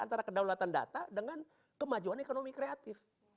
antara kedaulatan data dengan kemajuan ekonomi kreatif